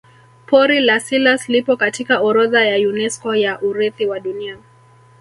pori la selous lipo katika orodha ya unesco ya urithi wa dunia